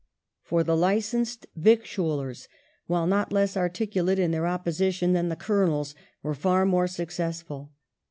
For the licensed victuallers, while not less articulate in their opposition than the colonels, were far more successful.